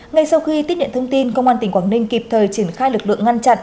ngay sau khi tiếp nhận thông tin công an tỉnh quảng ninh kịp thời triển khai lực lượng ngăn chặn